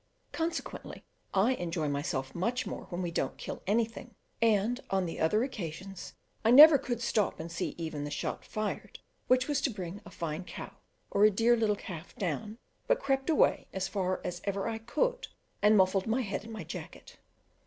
Consequently, I enjoy myself much more when we don't kill anything; and, on the other occasions, I never could stop and see even the shot fired which was to bring a fine cow or a dear little calf down, but crept away as far as ever I could, and muffled my head in my jacket.